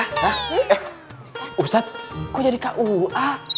hah eh ustadz kok jadi kua